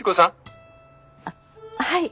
あっはい。